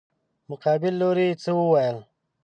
مقابل لوري څه وويل.